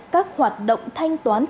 các hoạt động thanh tra sở giao thông vận tải